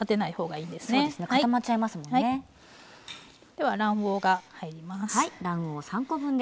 では卵黄が入ります。